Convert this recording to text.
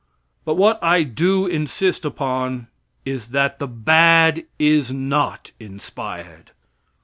But what I do insist upon is that the bad is not inspired.